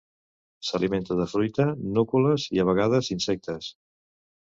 S'alimenta de fruita, núcules i, a vegades, insectes.